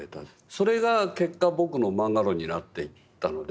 それが結果僕のマンガ論になっていったので。